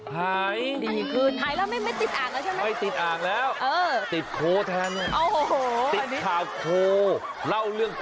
หายแล้วไม่ติดอ่างแล้วใช่ไหม